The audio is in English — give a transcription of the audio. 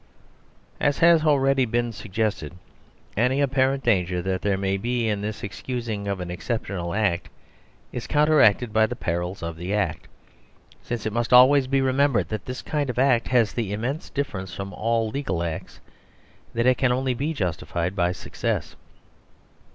As has already been suggested, any apparent danger that there may be in this excusing of an exceptional act is counteracted by the perils of the act, since it must always be remembered that this kind of act has the immense difference from all legal acts that it can only be justified by success.